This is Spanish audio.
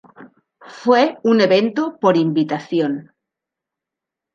Fue un evento por invitación.